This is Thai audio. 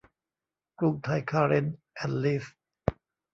กรุงไทยคาร์เร้นท์ แอนด์ ลีส